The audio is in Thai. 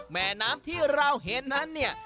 แม่น้ำที่เราเห็นนั้นเนี่ย